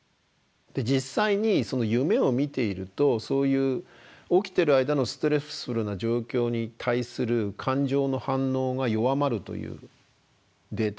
実際に夢を見ているとそういう起きてる間のストレスフルな状況に対する感情の反応が弱まるというデータもあるし。